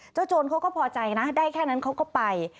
โจรเขาก็พอใจนะได้แค่นั้นเขาก็ไป